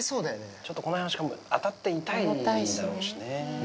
ちょっとこの辺はしかも当たって痛いだろうしね。